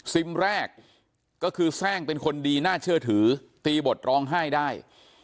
แรกก็คือแทร่งเป็นคนดีน่าเชื่อถือตีบทร้องไห้ได้